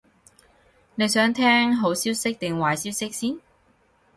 你想聽好消息定壞消息先？